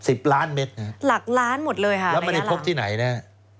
สิบล้านเมตรหลักล้านหมดเลยค่ะแล้วมันจะพบที่ไหนเนี่ย